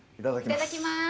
いただきます。